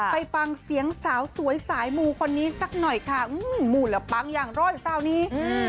ไปฟังเสียงสาวสวยสายหมูคนนี้สักหน่อยค่ะหมูและปังอย่างร้อยเศร้านี้